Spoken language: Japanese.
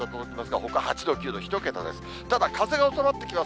ほか８度、９度、１桁です。